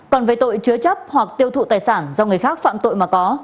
còn về tội chứa chấp hoặc tiêu thụ tài sản do người khác phạm tội mà có